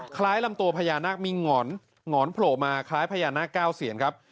คล้ายลำตัวพยานาคมีหงอดโผล่มาคล้ายพยานาคแก้วเซียนครับ